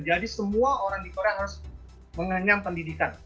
jadi semua orang di korea harus mengenyam pendidikan